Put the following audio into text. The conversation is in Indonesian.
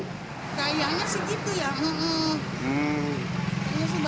kayaknya segitu ya